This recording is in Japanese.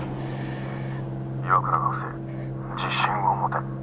「岩倉学生自信を持て」。